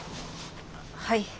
はい。